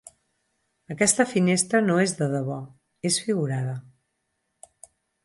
Aquesta finestra no és de debò, és figurada.